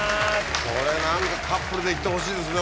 これなんかカップルで行ってほしいですね